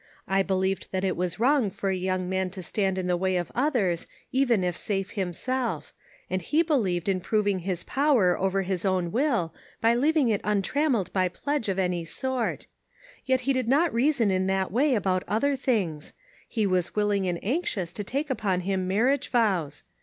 I believed that it was wrong for a young man to stand in the way of others, even if safe himself; and he believed in proving his power over his own will, by leaving it untrainmeled by pledge of any sort. Yet he did not reason in that way about other things ; he was willing and anxious to take upon him marriage vows.